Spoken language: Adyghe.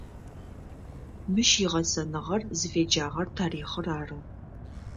Мыщ игъэсэныгъэр, зыфеджагъэр тарихъыр ары.